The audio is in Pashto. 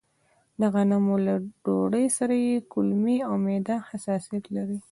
د غنمو له ډوډۍ سره يې کولمې او معده حساسيت لري.